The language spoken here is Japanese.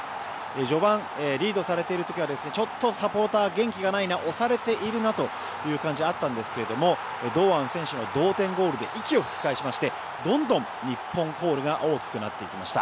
序盤、リードされている時はちょっとサポーター元気がないな押されているなという感じがあったんですが堂安選手の同点ゴールで息を吹き返しましてどんどん日本コールが大きくなっていきました。